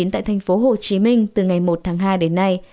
tại tp hcm từ ngày một tháng hai đến nay